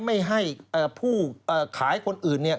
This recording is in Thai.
ไม่ให้ผู้ขายคนอื่น